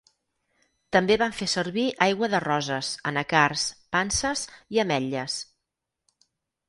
També van fer servir aigua de roses, anacards, panses i ametlles.